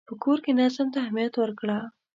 په کور کې نظم ته اهمیت ورکړه.